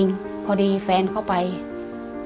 ก็คงง่ายรายการสะพานแม่น้ำปิง